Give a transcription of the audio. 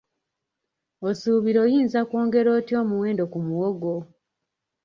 Osuubira oyinza kwongera otya omuwendo ku muwogo?